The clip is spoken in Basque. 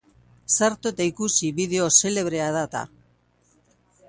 Sartu eta ikusi bideo xelebrea da eta!